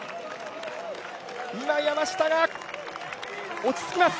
今、山下が、落ち着きます。